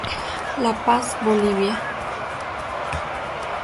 La Paz, Bolivia.